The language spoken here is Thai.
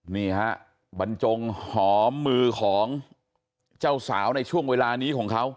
นี่ฮะบรรจงหอมมือของเจ้าสาวในช่วงเวลานี้ของเขา